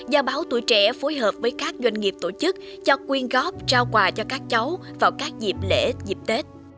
do báo tuổi trẻ phối hợp với các doanh nghiệp tổ chức cho quyên góp trao quà cho các cháu vào các dịp lễ dịp tết